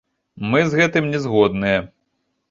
Мы з гэтым не згодныя!